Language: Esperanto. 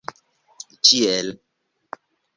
ĉiel